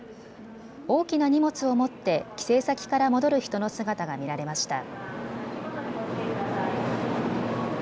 大きな荷物を持って帰省先から戻る人の姿が見られました。